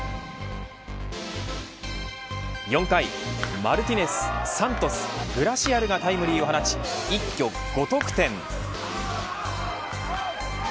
４回、マルティネス、サントスグラシアルがタイムリーを放ち一挙５得点。